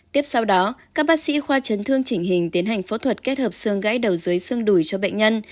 tiếp sau đó các bác sĩ khoa chấn thương chỉnh hình tiến hành phẫu thuật kết hợp xương gãy đầu dưới xương đùi cho bệnh nhân